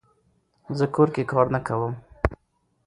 زه کور کې کار نه کووم